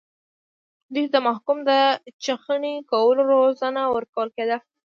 دوی ته د محکوم د چخڼي کولو روزنه ورکول کېده.